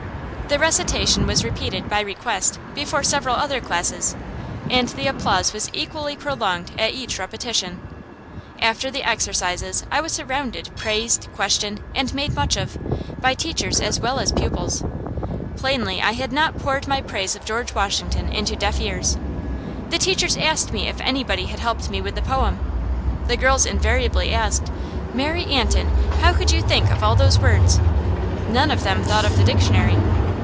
The recitation was repeated, by request, before several other classes, and the applause was equally prolonged at each repetition. After the exercises I was surrounded, praised, questioned, and made much of, by teachers as well as pupils. Plainly I had not poured my praise of George Washington into deaf ears. The teachers asked me if anybody had helped me with the poem. The girls invariably asked, "Mary Antin, how could you think of all those words?" None of them thought of the dictionary!